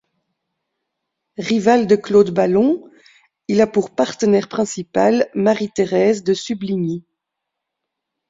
Rival de Claude Ballon, il a pour partenaire principale Marie-Thérèse de Subligny.